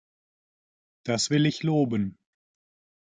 Das will ich loben.